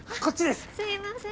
すいません。